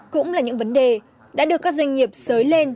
cũng là những vấn đề đã được các doanh nghiệp sới lên